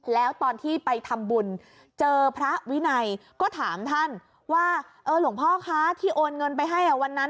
แล้วตอนที่ไปทำบุญเจอพระวินัยก็ถามท่านว่าเออหลวงพ่อคะที่โอนเงินไปให้วันนั้น